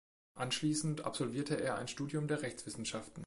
Anschließend absolvierte er ein Studium der Rechtswissenschaften.